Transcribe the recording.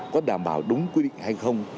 có đảm bảo đúng quy định hay không